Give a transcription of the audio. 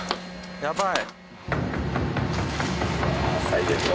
やばい。